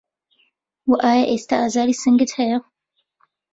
وه ئایا ئێستا ئازاری سنگت هەیە